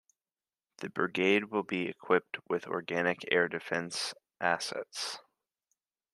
The brigade will be equipped with organic air defence assets.